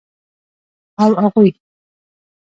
او اغوئ.